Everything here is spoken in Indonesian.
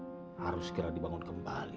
gedung yang ambruk harus segera dibangun kembali